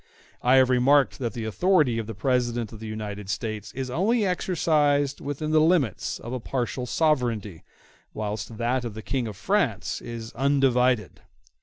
I have remarked that the authority of the President in the United States is only exercised within the limits of a partial sovereignty, whilst that of the King in France is undivided.